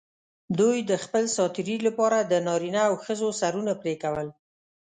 دوی د خپل سات تېري لپاره د نارینه او ښځو سرونه پرې کول.